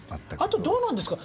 あとどうなんですか？